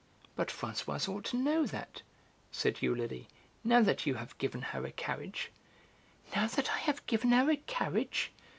"But Françoise ought to know that," said Eulalie, "now that you have given her a carriage." "Now that I have given her a carriage!"